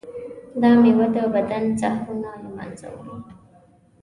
دا میوه د بدن زهرونه له منځه وړي.